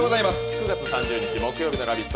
９月３０日木曜日「ラヴィット！」